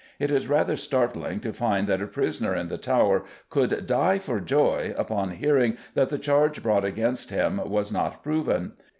It is rather startling to find that a prisoner in the Tower could "die for joy" upon hearing that the charge brought against him was not proven.